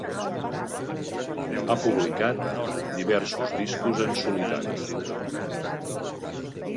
Ha publicat diversos discos en solitari.